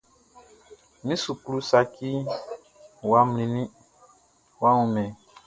Mi suklu saci ya mlinnin, a wunman?